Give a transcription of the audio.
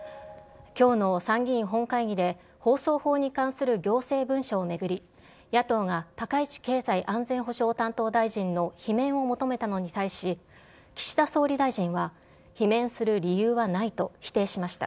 きょうの参議院本会議で、放送法に関する行政文書を巡り、野党が、高市経済安全保障担当大臣の罷免を求めたのに対し、岸田総理大臣は、罷免する理由はないと否定しました。